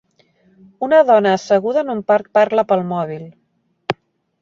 Una dona asseguda en un parc parla pel mòbil.